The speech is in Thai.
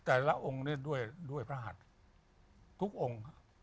แต่ละองค์ด้วยพระหัตถ์ทุกองค์